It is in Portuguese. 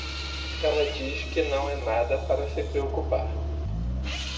Ela diz que não é nada para se preocupar.